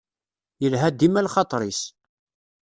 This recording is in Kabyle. Yelha dima lxaṭer-is.